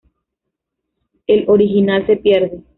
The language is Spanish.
El original se pierde.